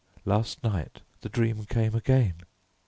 Last night the dream came again.